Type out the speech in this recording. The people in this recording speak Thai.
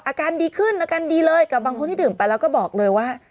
อาการดีขึ้นอาการดีเลยกับบางคนที่ดื่มไปแล้วก็บอกเลยว่า